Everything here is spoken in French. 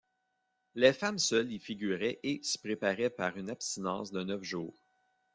Les femmes seules y figuraient et s'y préparaient par une abstinence de neuf jours.